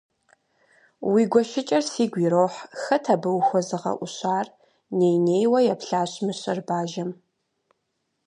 Уи гуэшыкӀэр сигу ирохь, хэт абы ухуэзыгъэӀущар? - ней-нейуэ еплъащ мыщэр бажэм.